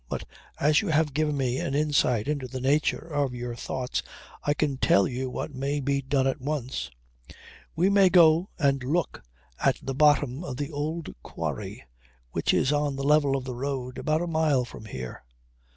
But as you have given me an insight into the nature of your thoughts I can tell you what may be done at once. We may go and look at the bottom of the old quarry which is on the level of the road, about a mile from here."